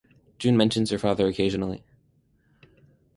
June mentions her father occasionally.